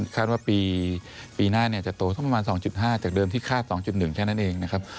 คาดว่าปีหน้าจะโตสักประมาณ๒๕จากเดิมที่คาด๒๑แค่นั้นเองนะครับ